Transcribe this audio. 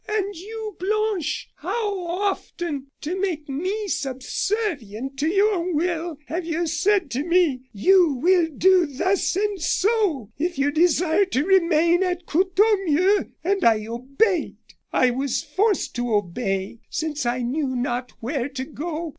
And you, Blanche, how often, to make me subservient to your will, have you said to me: 'You will do thus and so, if you desire to remain at Courtornieu?' And I obeyed I was forced to obey, since I knew not where to go.